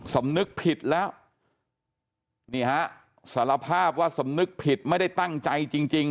สำนึกผิดแล้วนี่ฮะสารภาพว่าสำนึกผิดไม่ได้ตั้งใจจริงจริง